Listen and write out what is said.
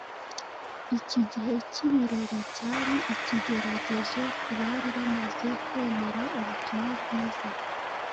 Iki gihe cy’ibirori cyari ikigeragezo ku bari bamaze kwemera ubutumwa bwiza.